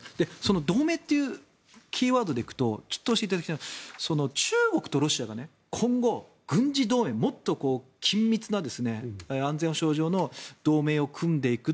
同盟というキーワードで行くとちょっと教えていただきたいのは中国とロシアが今後、軍事同盟もっと緊密な安全保障上の同盟を組んでいく。